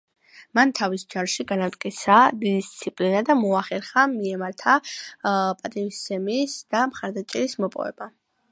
მან თავის ჯარში განამტკიცა დისციპლინა და მოახერხა მეომართა პატივისცემის და მხარდაჭერის მოპოვება.